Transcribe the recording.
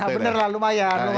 bener lah lumayan